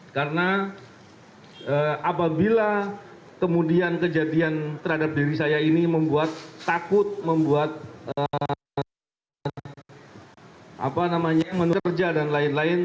karena apabila kemudian kejadian terhadap diri saya ini membuat takut membuat menurut pekerja dan lain lain